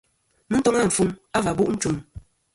Mɨ toŋ àfuŋ a v̀ bu' nchum.